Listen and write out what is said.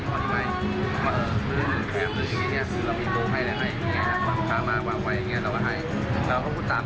สวัสดีครับ